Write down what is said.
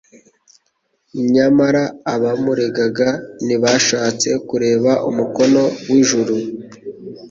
Nyamara abamuregaga ntibashatse kureba umukono w'ijuru.